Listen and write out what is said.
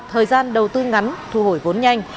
thời gian đầu tư ngắn thu hổi vốn nhanh